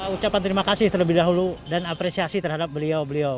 ucapan terima kasih terlebih dahulu dan apresiasi terhadap beliau beliau